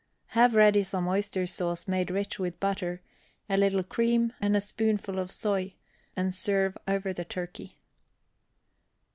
Have ready some oyster sauce made rich with butter, a little cream, and a spoonful of soy, and serve over the turkey.